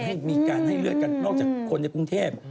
ให้มีการให้เลือดกันนอกจากคนในกรุงเทพ